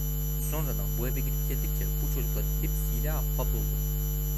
Sonradan, bu eve gidip geldikçe, bu çocukların hepsiyle ahbap oldum.